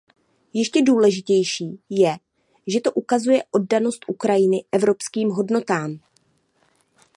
Ještě důležitější je, že to ukazuje oddanost Ukrajiny evropským hodnotám.